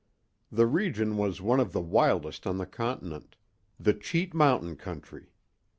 The region was one of the wildest on the continent—the Cheat Mountain country.